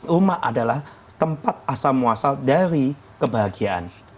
rumah adalah tempat asal muasal dari kebahagiaan